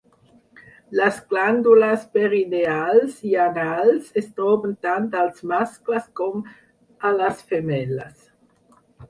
Les glàndules perineals i anals, es troben tant als mascles com a les femelles.